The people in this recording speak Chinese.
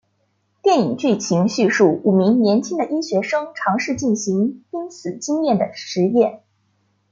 电影剧情叙述五名年轻的医学生尝试进行濒死经验的实验。